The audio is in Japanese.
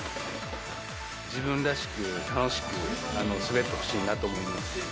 自分らしく、楽しく、滑ってほしいなと思います。